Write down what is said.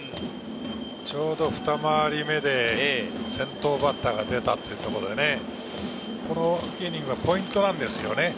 ちょうどふた回り目で先頭バッターが出たというところでね、このイニングがポイントなんですよね。